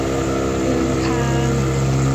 เดินทาง